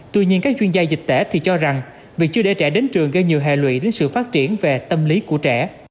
tuy nhiên các chuyên gia dịch tễ thì cho rằng việc chưa để trẻ đến trường gây nhiều hệ lụy đến sự phát triển về tâm lý của trẻ